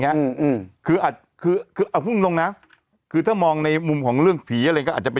ในกรุณกอดคือเอามึงลงนะคือถ้ามองในมุมของเรื่องผีอะไรก็อาจจะเป็น